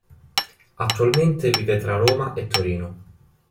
Attualmente vive tra Roma e Torino.